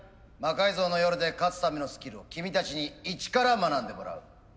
「魔改造の夜」で勝つためのスキルを君たちに一から学んでもらう。